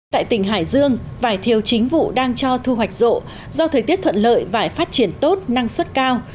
tại tỉnh hải dương vải thiều chính vụ đang cho thu hoạch rộ do thời tiết thuận lợi vải phát triển tốt năng suất cao